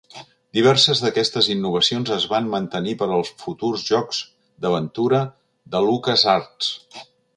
Diverses d'aquestes innovacions es van mantenir per als futurs jocs d'aventura de LucasArts.